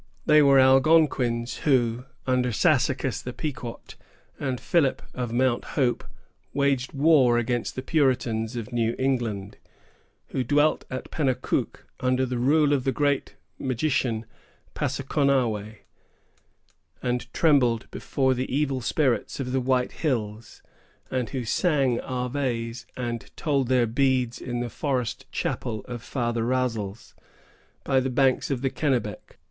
They were Algonquins who, under Sassacus the Pequot, and Philip of Mount Hope, waged war against the Puritans of New England; who dwelt at Penacook, under the rule of the great magician, Passaconaway, and trembled before the evil spirits of the White Hills; and who sang aves and told their beads in the forest chapel of Father Rasles, by the banks of the Kennebec.